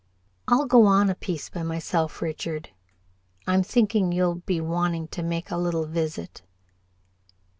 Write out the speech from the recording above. "I'll go on a piece by myself, Richard. I'm thinking you'll be wanting to make a little visit."